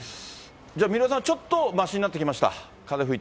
じゃあ三浦さん、ちょっとましになってきました？